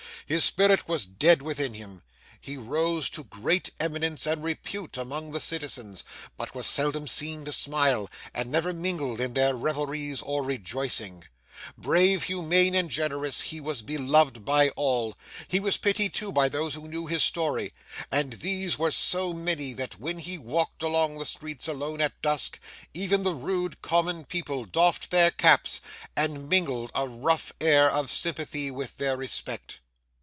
His spirit was dead within him. He rose to great eminence and repute among the citizens, but was seldom seen to smile, and never mingled in their revelries or rejoicings. Brave, humane, and generous, he was beloved by all. He was pitied too by those who knew his story, and these were so many that when he walked along the streets alone at dusk, even the rude common people doffed their caps and mingled a rough air of sympathy with their respect.